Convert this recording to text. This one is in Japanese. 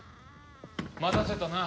待たせたな。